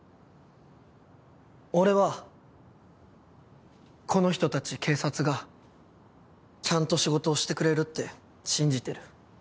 俺はこの人たち警察がちゃんと仕事をしてくれるって信じてる。